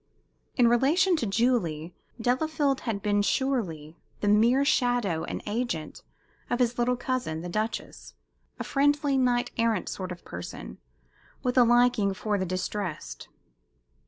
In relation to Julie, Delafield had been surely the mere shadow and agent of his little cousin the Duchess a friendly, knight errant sort of person, with a liking for the distressed.